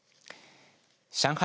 上海